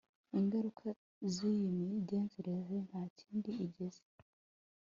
Ingaruka ziyi migenzereze nta kindi igeza